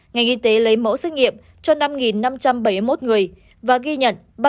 ngành y tế lấy mẫu xét nghiệm cho năm năm trăm bảy mươi một người và ghi nhận